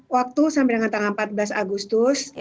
waktu sampai dengan tanggal empat belas agustus